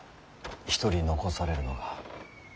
一人残されるのが。